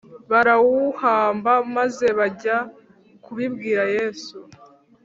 barawuhamba maze bajya kubibwira Yesu